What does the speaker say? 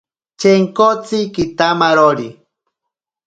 Chenkotsi kitamarori.